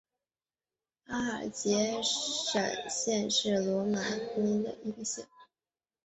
阿尔杰什县是罗马尼亚南部的一个县。